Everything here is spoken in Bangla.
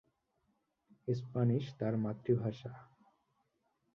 স্প্যানিশ তার মাতৃভাষা।